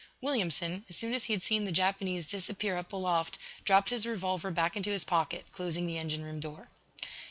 Williamson, as soon as he had seen the Japanese disappear up aloft, dropped his revolver back into his pocket, closing the engine room door.